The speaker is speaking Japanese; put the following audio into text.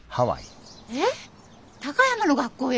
えっ高山の学校へ？